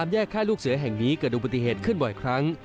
แยกค่าลูกเสือแห่งนี้เกิดอุบัติเหตุขึ้นบ่อยครั้ง